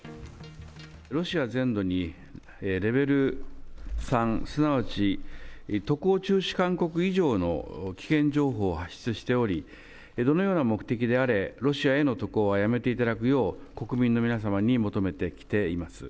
ロシア全土にレベル３、すなわち渡航中止勧告以上の危険情報を発出しており、どのような目的であれ、ロシアへの渡航はやめていただくよう、国民の皆様に求めてきています。